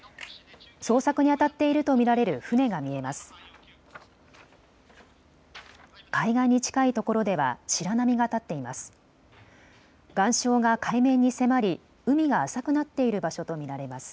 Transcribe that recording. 捜索にあたっていると見られる船が見えます。